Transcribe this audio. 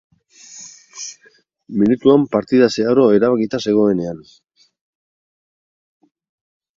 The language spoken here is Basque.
Minutuan partida zeharo erabakita zegoenean.